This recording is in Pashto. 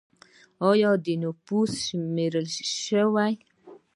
آیا د نفوس شمېرنه شوې؟